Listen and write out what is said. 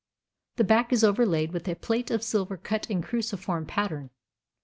The back is overlaid with a plate of silver cut in cruciform pattern.